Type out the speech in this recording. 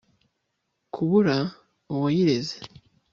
kubura uwayireze